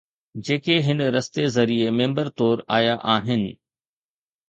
جيڪي هن رستي ذريعي ميمبر طور آيا آهن.